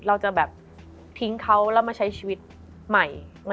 เราจะแบบทิ้งเขาแล้วมาใช้ชีวิตใหม่